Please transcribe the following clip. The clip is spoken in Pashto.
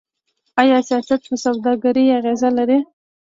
آیا سیاست په سوداګرۍ اغیز لري؟